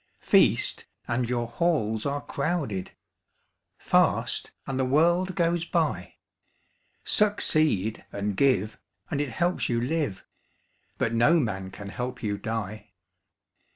Feast, and your halls are crowded; Fast, and the world goes by. Succeed and give, and it helps you live, But no man can help you die.